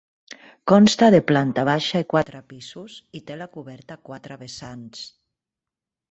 Consta de planta baixa i quatre pisos i té la coberta a quatre vessants.